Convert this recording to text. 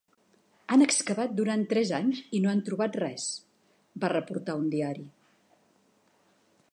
"Han excavat durant tres anys i no han trobat res," va reportar un diari.